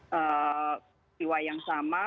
peristiwa yang sama